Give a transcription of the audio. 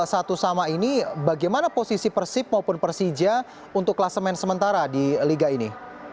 pertama ini bagaimana posisi persija maupun persib untuk kelas men sementara di liga ini